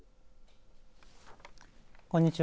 こんにちは。